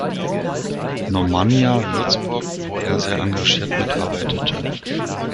Normannia Würzburg, wo er sehr engagiert mitarbeitete.